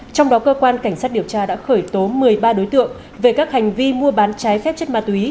trong đó cơ quan cảnh sát điều tra đã khởi tố một mươi ba đối tượng về các hành vi mua bán trái phép chất ma túy